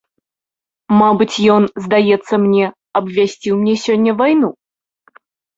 Мабыць, ён, здаецца мне, абвясціў мне сёння вайну.